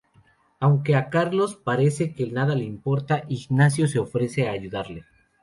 Aunque a Carlos parece que nada le importa, Ignacio se ofrece a ayudarle.